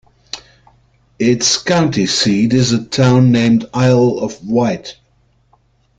Its county seat is a town named Isle of Wight.